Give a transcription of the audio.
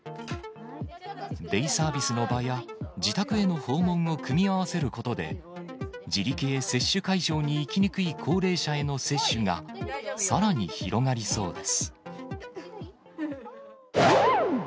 デイサービスの場や自宅への訪問を組み合わせることで、自力で接種会場に行きにくい高齢者への接種がさらに広がりそうです。